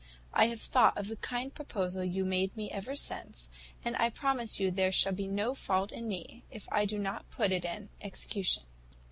I have thought of the kind proposal you made me ever since, and I promise you there shall be no fault in me, if I do not put it in execution.'